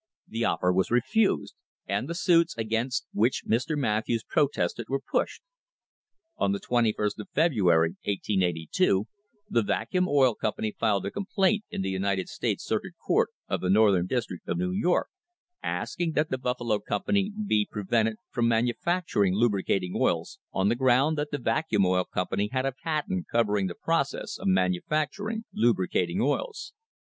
The offer was refused, and the suits against which Mr. Matthews protested were pushed. On the aist of February, 1882, the Vacuum Oil Company filed a complaint in the United States Circuit Court of the North ern District of New York, asking that the Buffalo company be prevented from manufacturing lubricating oils, on the ground that the Vacuum Oil Company had a patent covering the pro cess of manufacturing lubricating oils.